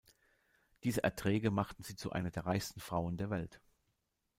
Diese Erträge machten sie zu einer der reichsten Frauen der Welt.